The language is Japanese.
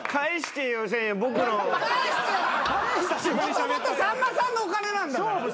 もともとさんまさんのお金なんだから。